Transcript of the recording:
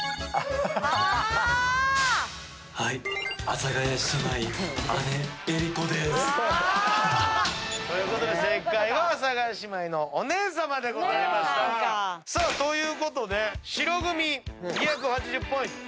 「阿佐ヶ谷姉妹姉江里子です」ということで正解は阿佐ヶ谷姉妹のお姉さまでした。ということで白組２８０ポイント